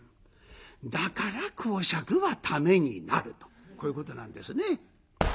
だから講釈はためになるとこういうことなんですね。